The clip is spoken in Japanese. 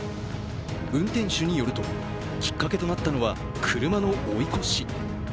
運転手によると、きっかけとなったのは車の追い越し。